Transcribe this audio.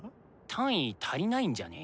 単位足りないんじゃね？